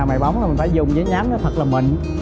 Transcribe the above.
à mài bóng là mình phải dùng giấy nhám nó thật là mịn